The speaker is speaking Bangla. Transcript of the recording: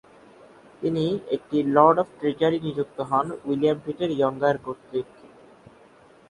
তিনি একটি লর্ড অফ ট্রেজারি নিযুক্ত হন উইলিয়াম পিটের ইয়ঙ্গার কর্তৃক।